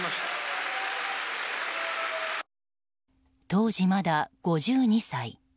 当時まだ５２歳。